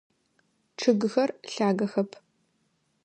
Чъыгыхэр лъагэхэп.